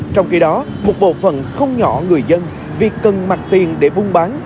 trong khi đó một bộ phận không nhỏ người dân vì cần mạch tiền để buôn bán